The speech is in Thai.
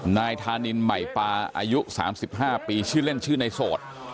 นายธานินใหม่ปาอายุ๓๕ปีชื่อเล่นชื่อในโสด